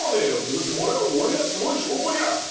だってこれは俺がすごい証拠じゃんっていう。